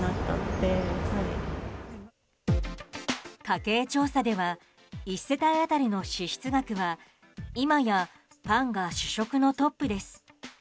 家計調査では１世帯当たりの支出額は今やパンが主食のトップです。